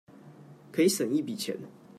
可以省一筆錢